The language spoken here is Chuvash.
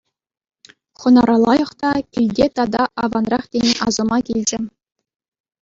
Хӑнара лайӑх та, килте тата аванрах тени асӑма килчӗ.